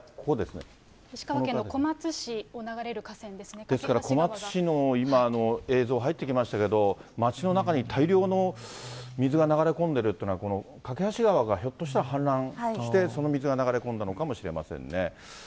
石川県の小松市を流れる河川ですから小松市の、今、映像入ってきましたけど、町の中に大量の水が流れ込んでるというのは、この梯川がひょっとしたら氾濫して、その水が流れ込んだのかもしれませんね。